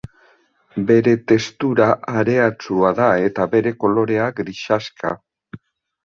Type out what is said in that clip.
Bere testura hareatsua da eta bere kolorea grisaxka.